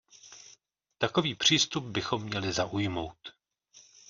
Takový přístup bychom měli zaujmout.